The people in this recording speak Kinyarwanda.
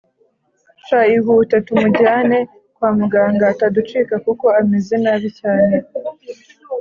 sha ihute tumujyane kwamuganga ataducika kuko ameze nabi cyane